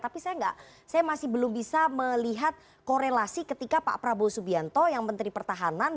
tapi saya masih belum bisa melihat korelasi ketika pak prabowo subianto yang menteri pertahanan